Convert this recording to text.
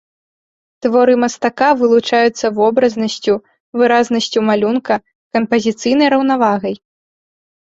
Творы мастака вылучаюцца вобразнасцю, выразнасцю малюнка, кампазіцыйнай раўнавагай.